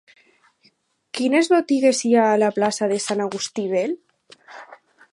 Quines botigues hi ha a la plaça de Sant Agustí Vell?